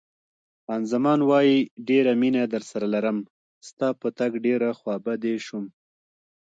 خان زمان: ډېره مینه درسره لرم، ستا په تګ ډېره خوابدې شوم.